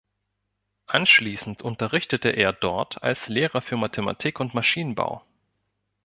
Anschließend unterrichtete er dort als Lehrer für Mathematik und Maschinenbau.